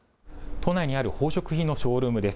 都内にある宝飾品のショールームです。